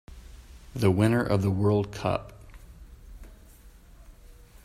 The winner of the world cup.